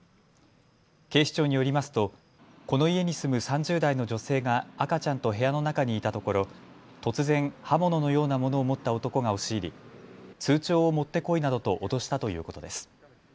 警視庁によりますとこの家に住む３０代の女性が赤ちゃんと部屋の中にいたところ突然、刃物のようなものを持った男が押し入り通帳を持ってこいなどと脅したということです。